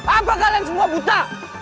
apa kalian semua buta